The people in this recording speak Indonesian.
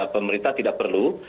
pemerintah tidak perlu